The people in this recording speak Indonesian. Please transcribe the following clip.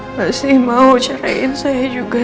masih mau carain saya juga